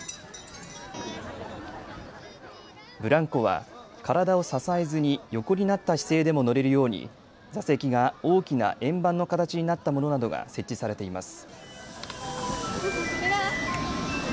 ブランコは体を支えずに横になった姿勢でも乗れるように座席が大きな円盤の形になったものなどが設置されています。